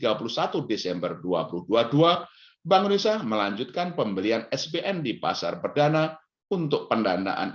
tiga puluh satu sepuluh mong es layer mbak leza melanjutkan pembelian spd pasar perdana untuk pendanaan